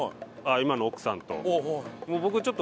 今の奥さんと。